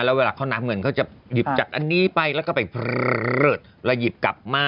แล้วเวลาเขานับเงินเขาจะหยิบจากอันนี้ไปแล้วก็ไปเพลิดแล้วหยิบกลับมา